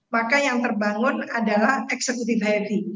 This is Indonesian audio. maka yang terbangun adalah executive heavy